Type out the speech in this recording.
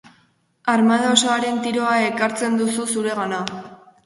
Armada osoaren tiroa ekartzen duzu zuregana.